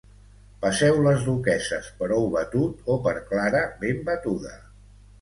Passeu les duquesses per ou batut o per clara ben batuda